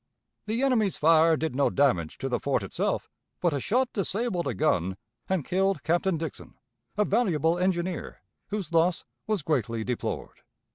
The enemy's fire did no damage to the fort itself, but a shot disabled a gun and killed Captain Dixon, a valuable engineer, whose loss was greatly deplored.